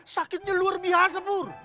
sakitnya luar biasa pur